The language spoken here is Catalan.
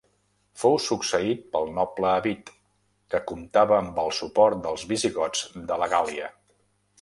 Fou succeït pel noble Avit, que comptava amb el suport dels visigots de la Gàl·lia.